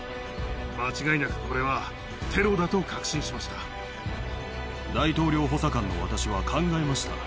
間違いなく、これはテロだと確信大統領補佐官の私は考えました。